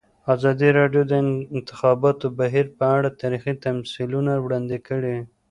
ازادي راډیو د د انتخاباتو بهیر په اړه تاریخي تمثیلونه وړاندې کړي.